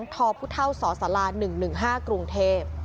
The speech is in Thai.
ทพุท่าวสศร๑๑๕กรุงเทพฯ